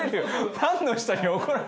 ファンの人に怒られる。